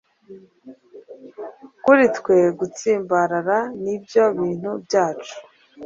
kuri twe gutsimbarara nibyo bintu byacu